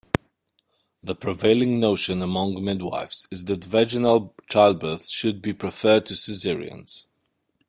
The prevailing notion among midwifes is that vaginal childbirths should be preferred to cesareans.